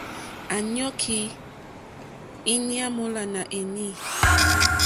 À yɔ̀kí ìtyá mólánè éní.